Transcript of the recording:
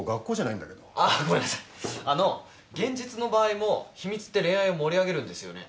現実の場合も秘密って恋愛を盛り上げるんですよね？